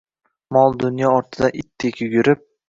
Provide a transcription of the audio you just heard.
Mol-dunyo ortidan itdek yugurib